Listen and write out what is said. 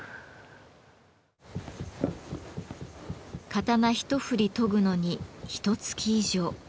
刀一振り研ぐのにひとつき以上。